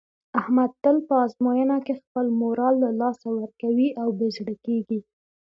احمد تل په ازموینه کې خپل مورال له لاسه ورکوي او بې زړه کېږي.